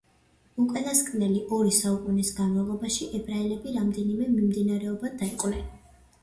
უკანასკნელი ორი საუკუნის განმავლობაში ებრაელები რამდენიმე მიმდინარეობად დაიყვნენ.